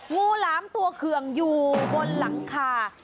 หลามตัวเคืองอยู่บนหลังคา